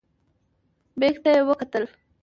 بیک ته یې وکتلې.